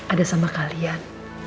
ada sama kalian